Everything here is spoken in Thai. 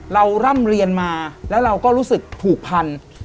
ร่ำเรียนมาแล้วเราก็รู้สึกผูกพัน